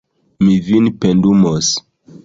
Mi vin pendumos